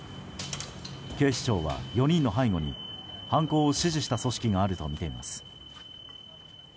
警視庁は、４人の背後に犯行を指示した組織があるとみています。